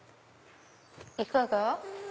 いかが？